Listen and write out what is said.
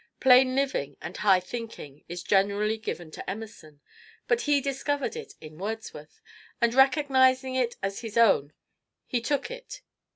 "Plain living and high thinking" is generally given to Emerson, but he discovered it in Wordsworth, and recognizing it as his own he took it.